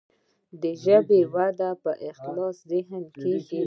د ژبې وده په خلاص ذهن کیږي.